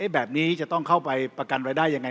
แบบนี้จะต้องเข้าไปประกันรายได้ยังไง